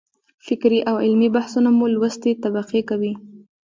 فکري او علمي بحثونه مو لوستې طبقې کوي.